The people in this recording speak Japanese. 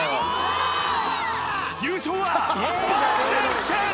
⁉優勝はボー選手！